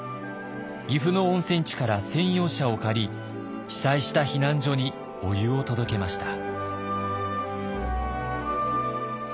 岐阜の温泉地から専用車を借り被災した避難所にお湯を届けました。